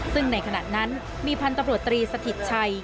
ซึ่งในขณะนั้นมีพันธุ์ตำรวจตรีสถิตชัย